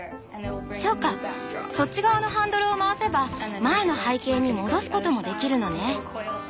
そうかそっち側のハンドルを回せば前の背景に戻すこともできるのね。